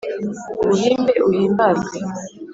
Nguhimbe uhimbarwe